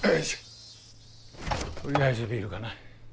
とりあえずビールかな。